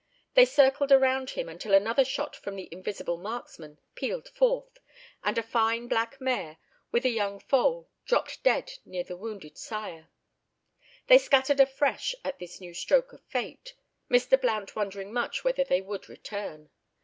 They circled around him until another shot from the invisible marksman pealed forth, and a fine black mare, with a young foal, dropped dead near the wounded sire. They scattered afresh at this new stroke of fate; Mr. Blount wondering much whether they would return.